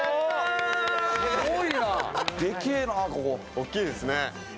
大きいですね。